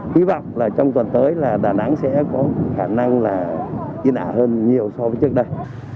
hy vọng là trong tuần tới là đà nẵng sẽ có khả năng là yên ả hơn nhiều so với trước đây